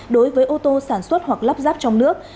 đối với ô tô sản xuất hoặc lắp ráp trong nước